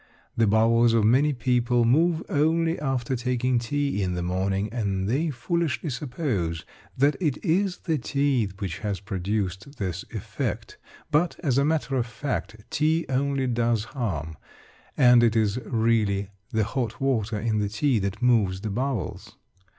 The bowels of many people move only after taking tea in the morning, and they foolishly suppose that it is the tea which has produced this effect. But, as a matter of fact, tea only does harm, and it is really the hot water in the tea that moves the bowels.